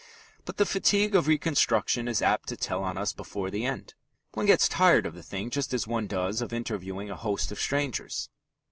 But the fatigue of reconstruction is apt to tell on us before the end. One gets tired of the thing just as one does of interviewing a host of strangers.